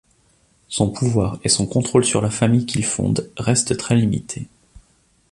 Son pouvoir et son contrôle sur la famille qu'il fonde reste très limité.